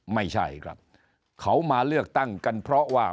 ไม่ใช่ครับเขามาเลือกตั้งกันเพราะว่า